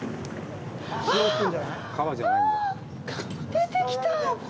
出てきた！